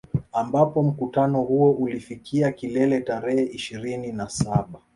Ambapo mkutano huo ulifikia kilele tarehe ishirini na saba